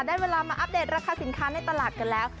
ได้เวลามาอัปเดตราคาสินค้าในตลาดกันแล้ว